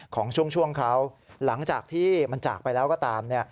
ของช่วงเขาหลังจากที่มันจากไปแล้วก็ตาม